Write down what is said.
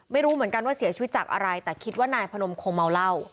ไม่รู้เหมือนกันว่าเสียชีวิตจากอะไรแต่คิดว่านายพนมคงเมาเหล้า